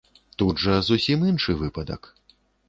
Тут жа зусім іншы выпадак.